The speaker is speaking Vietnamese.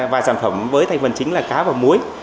và sản phẩm với thành phần chính là cá và muối